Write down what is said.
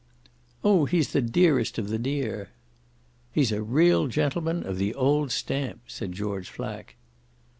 "Oh he's the dearest of the dear." "He's a real gentleman of the old stamp," said George Flack.